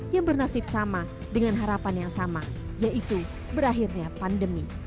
yang bernasib sama dengan harapan yang sama yaitu berakhirnya pandemi